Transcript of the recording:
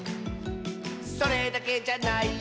「それだけじゃないよ」